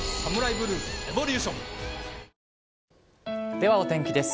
ではお天気です。